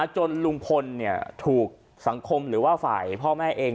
จนลุงพลถูกสังคมหรือว่าฝ่ายพ่อแม่เอง